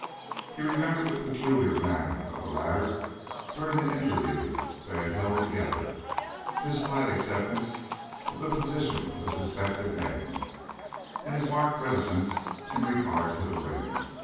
He remembered the peculiar manner of the latter during the interview they had held together; his quiet acceptance of the position of a suspected man, and his marked reticence in regard to the ring.